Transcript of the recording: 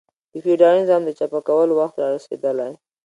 د فیوډالي نظام د چپه کولو وخت را رسېدلی.